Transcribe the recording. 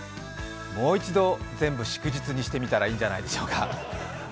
もう一度、全部祝日にしてみたらいいんじゃないでしょうか？